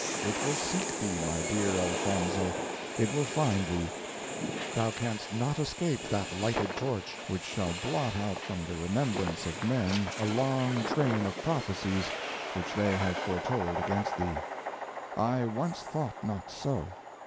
It will seek thee, my dear Elfonzo, it will find thee thou canst not escape that lighted torch, which shall blot out from the remembrance of men a long train of prophecies which they have foretold against thee. I once thought not so.